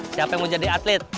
siapa yang mau jadi atlet